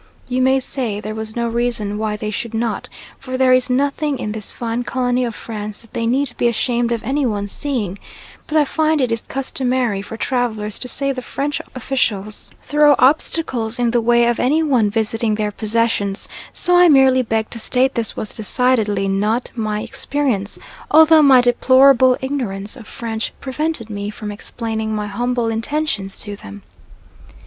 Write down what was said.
You may say there was no reason why they should not, for there is nothing in this fine colony of France that they need be ashamed of any one seeing; but I find it is customary for travellers to say the French officials throw obstacles in the way of any one visiting their possessions, so I merely beg to state this was decidedly not my experience; although my deplorable ignorance of French prevented me from explaining my humble intentions to them.